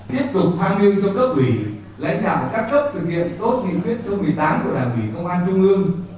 tiếp tục tham mưu cho các ủy lãnh đạo các cấp thực hiện tốt nghị quyết số một mươi tám của đảng ủy công an trung ương